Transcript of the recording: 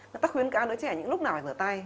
người ta khuyến cáo đứa trẻ những lúc nào phải rửa tay